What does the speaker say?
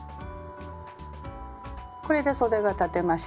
これでそでが裁てました。